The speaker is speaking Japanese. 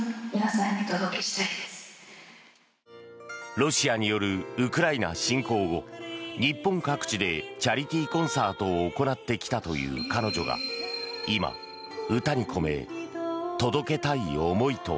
ロシアによるウクライナ侵攻後日本各地でチャリティーコンサートを行ってきたという彼女が今、歌に込め届けたい思いとは。